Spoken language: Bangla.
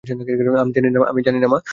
আমি জানি, মা!